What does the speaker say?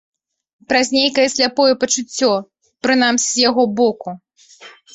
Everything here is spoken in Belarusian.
Праз нейкае сляпое пачуццё, прынамсі, з яго боку.